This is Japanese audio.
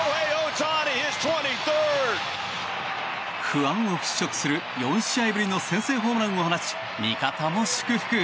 不安を払拭する４試合ぶりの先制ホームランを放ち味方も祝福。